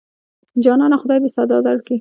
جانانه خدای دې سزا درکړي.